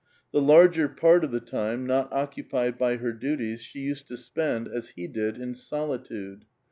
The larger part of the time not occupied by her duties she used to spend, as he did, in solitude.